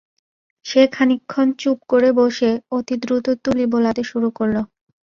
সে খানিকক্ষণ চুপ করে বসে, অতি দ্রুত তুলি বোলাতে শুরু করল।